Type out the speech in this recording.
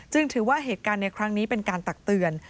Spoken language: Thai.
ถือว่าเหตุการณ์ในครั้งนี้เป็นการตักเตือน